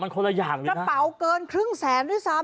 คนละอย่างเลยนะกระเป๋าเกินครึ่งแสนด้วยซ้ำ